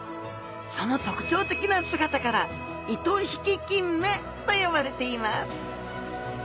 その特徴的な姿から糸引ききんめと呼ばれています。